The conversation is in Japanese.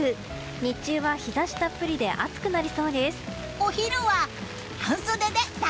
日中は日差したっぷりで暑くなりそうです。